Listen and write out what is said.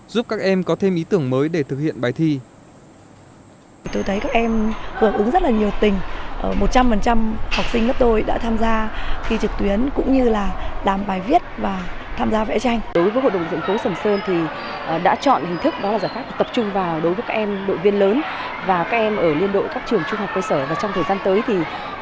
giúp các em có thêm ý tưởng mới để thực hiện bài thi